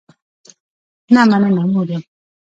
نه مننه، موړ یم